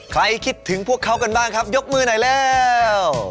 คิดถึงพวกเขากันบ้างครับยกมือหน่อยแล้ว